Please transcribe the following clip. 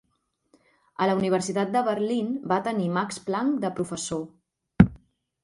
A la Universitat de Berlín, va tenir Max Planck de professor.